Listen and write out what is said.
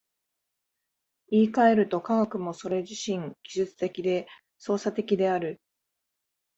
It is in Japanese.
言い換えると、科学もそれ自身技術的で操作的である。